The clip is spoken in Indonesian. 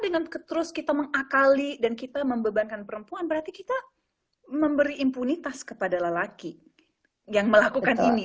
dengan terus kita mengakali dan kita membebankan perempuan berarti kita memberi impunitas kepada lelaki yang melakukan ini